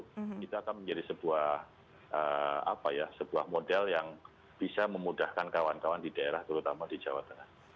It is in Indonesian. itu akan menjadi sebuah model yang bisa memudahkan kawan kawan di daerah terutama di jawa tengah